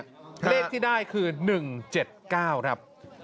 เลขที่ได้คือ๑๗๙ครับ